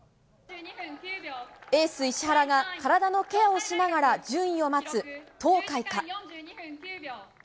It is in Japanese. エース、石原が体のケアをしながら順位を待つ東海か。